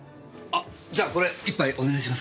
あじゃあこれ１杯お願いします。